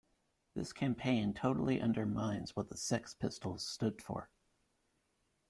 This campaign totally undermines what The Sex Pistols stood for.